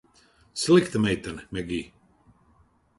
Slikta meitene, Megij.